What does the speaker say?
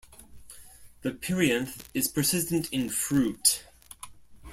The perianth is persistent in fruit.